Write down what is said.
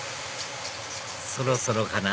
そろそろかな？